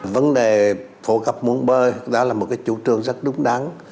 vấn đề phổ cập muôn bơi là một chủ trương rất đúng đắn